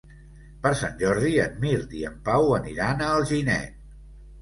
Per Sant Jordi en Mirt i en Pau aniran a Alginet.